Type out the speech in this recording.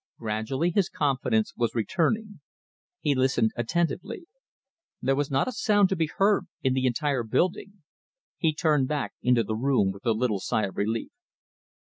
Gradually his confidence was returning. He listened attentively. There was not a sound to be heard in the entire building. He turned back into the room with a little sigh of relief.